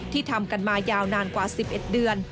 ทำกันมายาวนานกว่า๑๑เดือน